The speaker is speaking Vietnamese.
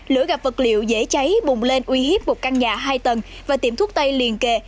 lửa gặp vật liệu dễ cháy bùng lên uy hiếp một căn nhà hai tầng và tiệm thuốc tay liền kề